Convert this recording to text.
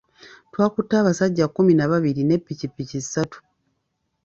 Twakutte abasajja kkumi na babiri ne ppikipiki ssatu.